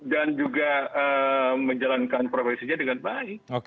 dan juga menjalankan perbaikan saja dengan baik